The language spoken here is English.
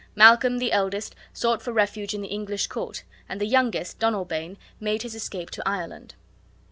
Malcolm, the eldest, sought for refuge in the English court; and the youngest, Donalbain, made his escape to Ireland.